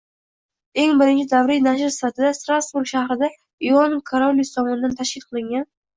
Eng birinchi davriy nashr sifatida Strasburg shahrida Iogann Karolyus tomonidan tashkil qilingan